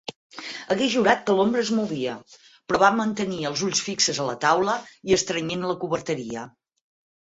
Hagués jurat que l'ombra es movia, però va mantenir els ulls fixes a la taula i estrenyent la coberteria.